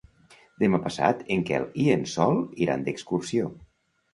Demà passat en Quel i en Sol iran d'excursió.